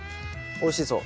おいしそう。